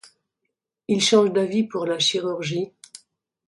Il change d'avis pour la chirurgie.